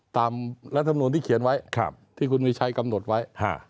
ตามรัฐบนวลที่เขียนไว้ที่คุณมีใช้กำหนดไว้